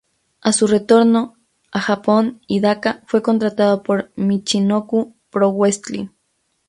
A su retorno a Japón, Hidaka fue contratado por Michinoku Pro Wrestling.